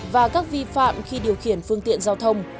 và các vi phạm khi điều khiển phương tiện giao thông